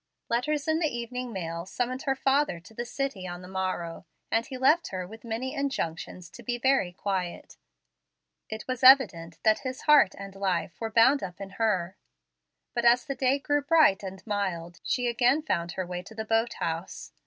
Letters in the evening mail summoned her father to the city on the morrow, and he left her with many injunctions to be very quiet. It was evident that his heart and life were bound up in her. But as the day grew bright and mild she again found her way to the boat house.